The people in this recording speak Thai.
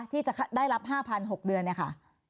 ที่จะได้รับ๕๐๐๐บาท๖เดือนค่ะ